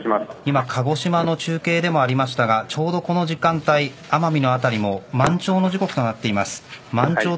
鹿児島の中継でもありましたがこの時間帯、奄美の辺りも満潮の時刻となっています。